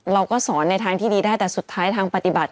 เราก็สอนในทางที่ดีได้แต่สุดท้ายทางปฏิบัติ